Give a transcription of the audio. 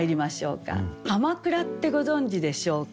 かまくらってご存じでしょうか？